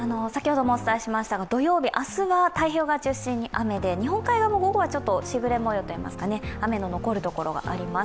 土曜日、明日は太平洋側中心に雨で、日本海側も午後はちょっとしぐれもようといいますか雨が残る所があります。